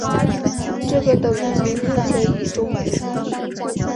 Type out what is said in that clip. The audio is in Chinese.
这个等级目前已终止。